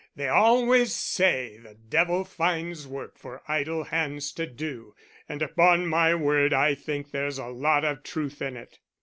"They always say the devil finds work for idle hands to do, and upon my word I think there's a lot of truth in it."